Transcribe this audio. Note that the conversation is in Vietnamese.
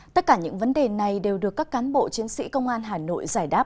tất cả những vấn đề này đều được các cán bộ chiến sĩ công an hà nội giải đáp